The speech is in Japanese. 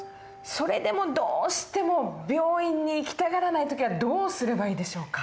それでもどうしても病院に行きたがらない時はどうすればいいでしょうか？